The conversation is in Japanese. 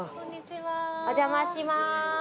お邪魔します。